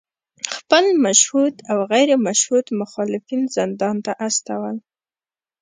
خپل مشهود او غیر مشهود مخالفین زندان ته استول